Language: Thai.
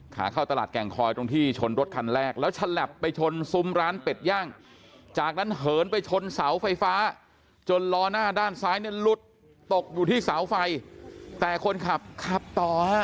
ขาเข้าตลาดแก่งคอยตรงที่ชนรถคันแรกแล้วฉลับไปชนซุ้มร้านเป็ดย่างจากนั้นเหินไปชนเสาไฟฟ้าจนล้อหน้าด้านซ้ายเนี่ยหลุดตกอยู่ที่เสาไฟแต่คนขับขับต่อฮะ